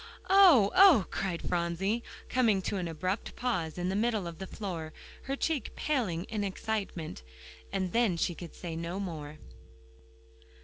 "Oh oh!" cried Phronsie, coming to an abrupt pause in the middle of the floor, her cheek paling in excitement. And then she could say no more.